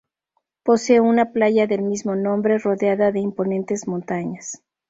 Posee una playa del mismo nombre rodeada de imponentes montañas.